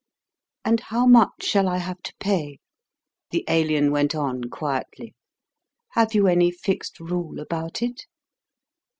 "And how much shall I have to pay?" the Alien went on quietly. "Have you any fixed rule about it?"